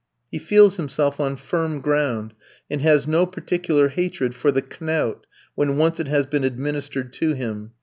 He feels himself on firm ground, and has no particular hatred for the knout, when once it has been administered to him.